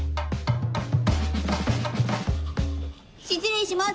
失礼します！